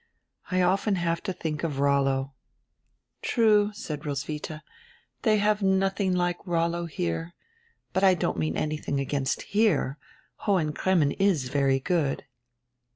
I often have to think of Rollo." "True," said Roswitha, "they have nothing like Rollo here. But I don't mean anything against 'here.' Hohen Cremmen is very good."